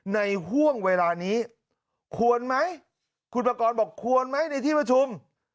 ห่วงเวลานี้ควรไหมคุณประกอบบอกควรไหมในที่ประชุม